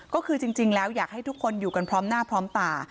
ก็คือจริงแล้วอยากให้ทุกคนอยู่กันพร้อมหน้าพร้อมตา